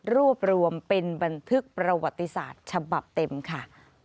รวบรวมเป็นบันทึกประวัติศาสตร์ฉบับเต็มค่ะ